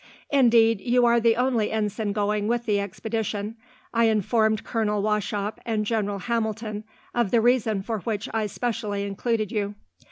Indeed, you are the only ensign going with the expedition. I informed Colonel Wauchop and General Hamilton of the reason for which I specially included you.